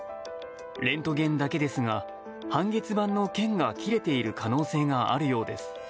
レントゲンだけですが半月板の腱が切れている可能性があるようです。